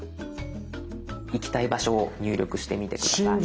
行きたい場所を入力してみて下さい。